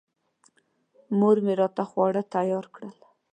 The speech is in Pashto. مور مې راته خواړه تیار کړل.